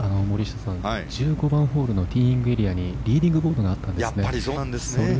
森下さん、１５番ホールのティーイングエリアにリーディングボードがあったんですね。